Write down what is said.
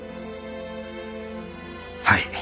はい。